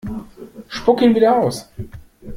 Spuck ihn wieder aus!